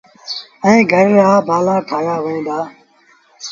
ائيٚݩ گھرآݩ لآ بآلآ ٺآهيآ وهيݩ دآ۔